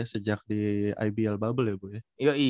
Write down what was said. sejak di ibl bubble ya bu ya